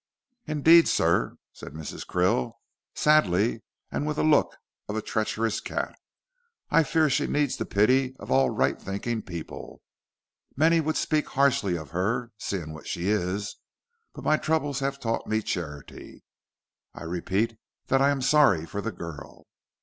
"Indeed, sir," said Mrs. Krill, sadly, and with the look of a treacherous cat, "I fear she needs the pity of all right thinking people. Many would speak harshly of her, seeing what she is, but my troubles have taught me charity. I repeat that I am sorry for the girl."